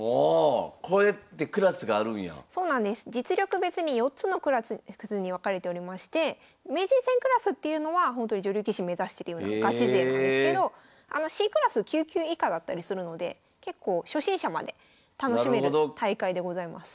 実力別に４つのクラスに分かれておりまして名人戦クラスっていうのはほんとに女流棋士目指してるようなガチ勢なんですけどＣクラス９級以下だったりするので結構初心者まで楽しめる大会でございます。